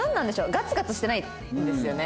ガツガツしてないんですよね。